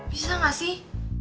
bisa gak sih